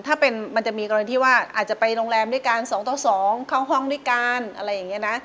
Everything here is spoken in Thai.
ถ้ามันจะมีกรณีที่ว่าอาจจะไปโรงแรมด้วยกัน๒ต่อ๒เข้าห้องด้วยกัน